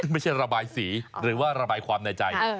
ไม่ใช่ระบายสีหรือว่าระบายความในใจ